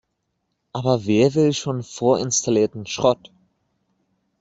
Aber wer will schon vorinstallierten Schrott?